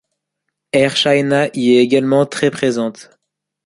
Air China y est également très présente.